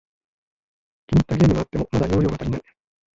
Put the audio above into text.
気に入ったゲームがあっても、また容量が足りない